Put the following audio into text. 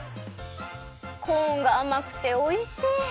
コーンがあまくておいしい！